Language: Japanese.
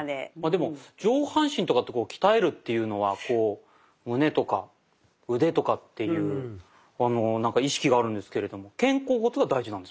でも上半身とかって鍛えるっていうのはこう胸とか腕とかっていう意識があるんですけれども肩甲骨が大事なんですか？